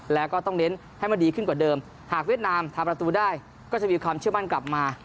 แล้วก็ต้องเน้นให้มันดีขึ้นกว่าเดิมหากเวียดนามทำประตูได้ก็จะมีความเชื่อมั่นกลับมา